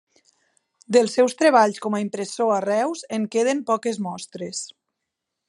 Dels seus treballs com a impressor a Reus en queden poques mostres.